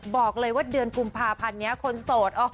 บอกเลยว่าเดือนกุมภาพันธ์นี้คนโสด